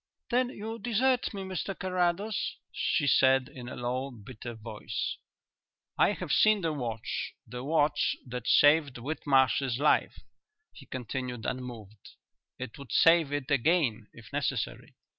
"Then you desert me, Mr Carrados?" she said, in a low, bitter voice. "I have seen the watch the watch that saved Whitmarsh's life," he continued, unmoved. "It would save it again if necessary.